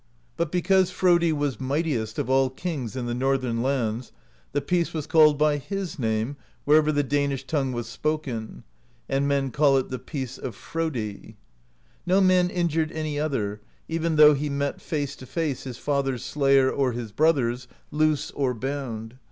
But because Frodi was mightiest of all kings in the Northern lands, the peace was called by his name wher ever the Danish tongue was spoken; and men call it the Peace of Frodi. No man injured any other, even though he met face to face his father's slayer or his brother's, loose or bound.